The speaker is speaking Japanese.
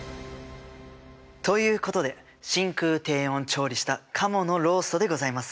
ということで真空低温調理したカモのローストでございます。